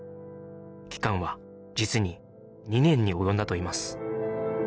期間は実に２年に及んだといいます